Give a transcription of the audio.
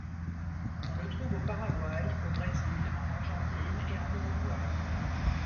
On le trouve au Paraguay, au Brésil, en Argentine et en Uruguay.